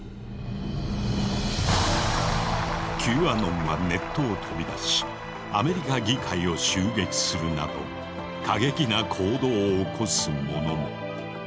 Ｑアノンはネットを飛び出しアメリカ議会を襲撃するなど過激な行動を起こす者も。